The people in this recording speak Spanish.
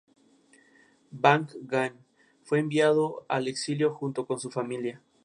Bang-gan fue enviado al exilio junto con su familia.